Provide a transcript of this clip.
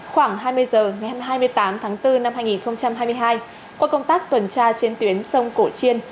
khoảng hai mươi h ngày hai mươi tám tháng bốn năm hai nghìn hai mươi hai qua công tác tuần tra trên tuyến sông cổ chiên